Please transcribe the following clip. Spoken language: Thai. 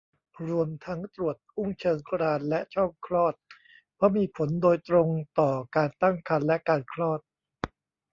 รวมทั้งตรวจอุ้งเชิงกรานและช่องคลอด เพราะมีผลโดยตรงต่อการตั้งครรภ์และการคลอด